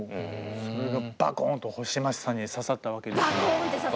それがバコーンと星街さんに刺さったわけですね。